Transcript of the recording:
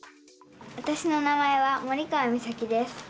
わたしの名前は森川実咲です。